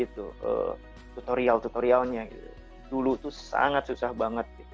tutorial tutorialnya dulu itu sangat susah banget